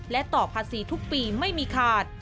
และต่อภาษีทุกปีไม่มีขาด